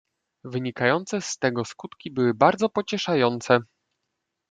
"Wynikające z tego skutki były bardzo pocieszające."